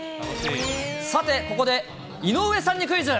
さて、ここで井上さんにクイズ。